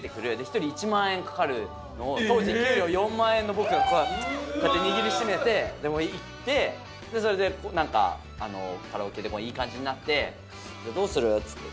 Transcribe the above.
１人１万円かかるのを当時給料４万円の僕がこうやって握り締めて行ってそれでなんかカラオケでいい感じになって「どうする？」っつって。